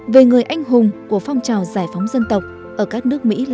về người anh hùng của phong trào giải phóng dân tộc ở các nước mỹ lat